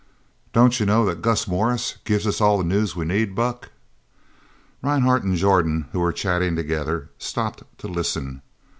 "Don't you know that Gus Morris gives us all the news we need, Buck?" Rhinehart and Jordan, who were chatting together, stopped to listen.